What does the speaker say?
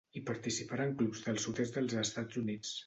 Hi participaren clubs del sud-est dels Estats Units.